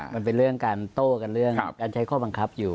มันเป็นเรื่องการโต้กันเรื่องการใช้ข้อบังคับอยู่